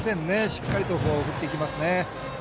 しっかりと振ってきますね。